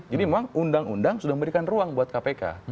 jadi memang undang undang sudah memberikan ruang buat kpk